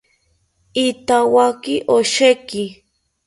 Ithawaki osheki